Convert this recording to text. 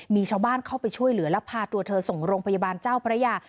มีชาวบ้านเข้าไปช่วยเหลือและพาตัวเธอส่งโรงพยาบาลเจ้าพระยา